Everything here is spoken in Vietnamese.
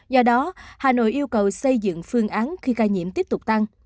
do đó hà nội yêu cầu xây dựng phương án khi ca nhiễm tiếp tục tăng